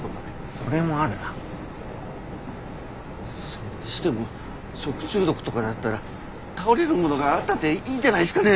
それにしても食中毒とかだったら倒れる者があったっていいじゃないですかね？